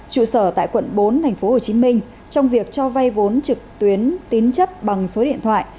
trụ sở tại quận bốn tp hcm trong việc cho vay vốn trực tuyến tín chấp bằng số điện thoại